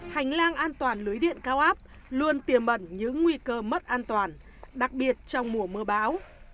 hành lang an toàn lưới điện cao áp luôn tiềm bẩn những nguy cơ mất an toàn đặc biệt trong mùa mưa bão